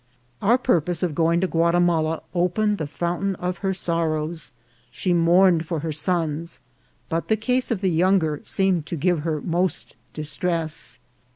Our purpose of going to Guatimala opened the fountain of her sorrows. She mourned for her sons, but the case of the younger seemed to give her most distress.